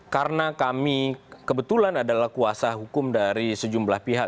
karena kami kebetulan adalah kuasa hukum dari sejumlah pihak